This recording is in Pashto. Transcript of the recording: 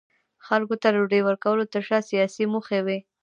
خلکو ته د ډوډۍ ورکولو ترشا سیاسي موخې وې.